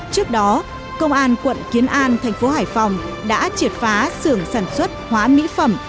trước đó công an quận kiến an tp hcm đã triệt phá xưởng sản xuất hóa mỹ phẩm